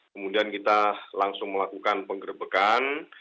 kemudian kita langsung melakukan penggerbekan